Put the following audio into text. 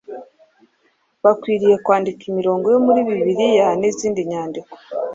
bakwiriye kwandika imirongo yo muri Bibiliya n’izindi nyandiko